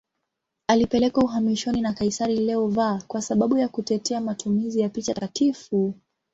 Alipelekwa uhamishoni na kaisari Leo V kwa sababu ya kutetea matumizi ya picha takatifu.